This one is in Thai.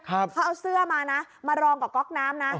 เขาเอาเสื้อมานะมารองกับก๊อกน้ำนะ